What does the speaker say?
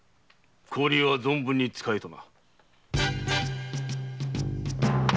氷は存分に使えとな。